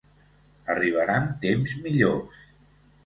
Arribaran temps millors.